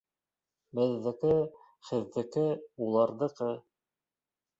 Беҙҙеке, һеҙҙеке, уларҙыҡы